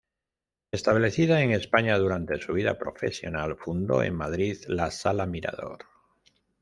Establecida en España durante su vida profesional, fundó en Madrid la Sala Mirador.